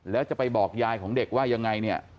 แล้วจะไปบอกยายของเด็กว่ายังไงเนี่ย